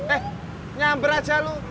eh nyamber aja lo